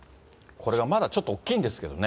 これはまだちょっと大きいんですけどね。